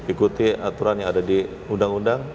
ikuti aturan yang ada di undang undang